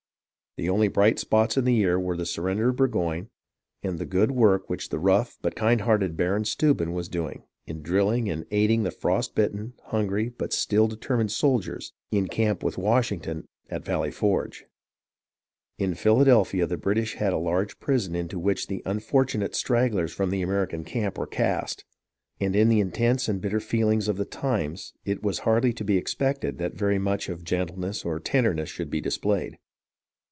The only bright spots in the year were the surrender of Burgoyne, and the good work which the rough but kind hearted Baron Steuben was doing, in drilling and aiding the frost bitten, hungry, but still determined soldiers in the camp with Washington at Valley Forge. In Philadelphia the British had a large prison into which the unfortunate stragglers from the American camp were cast, and in the intense and bitter feelings of the times it was hardly to be expected that very much of gentleness or tenderness should be displayed.